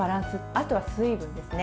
あとは水分ですね。